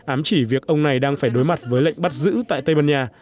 ám chỉ việc ông này đang phải đối mặt với lệnh bắt giữ tại tây ban nha